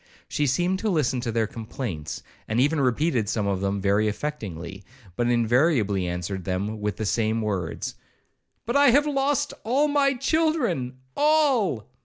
She seemed to listen to their complaints, and even repeated some of them very affectingly, but invariably answered them with the same words, 'But I have lost all my children—all!'